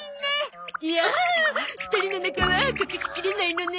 いやあ２人の仲は隠しきれないのね。